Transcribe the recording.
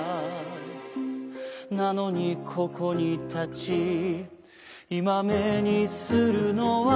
「なのにここにたちいまめにするのは」